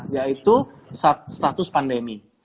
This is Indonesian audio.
yaitu status pandemi